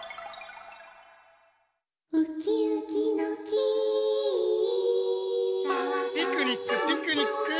「ウキウキの木」ピクニックピクニック！